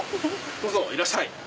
どうぞいらっしゃい！